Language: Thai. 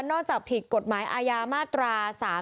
นอกจากผิดกฎหมายอายามาตรา๓๗๗